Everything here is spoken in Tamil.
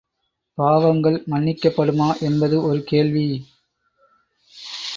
பாவங்கள் மன்னிக்கப்படுமா என்பது ஒரு கேள்வி.